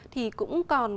thì cũng còn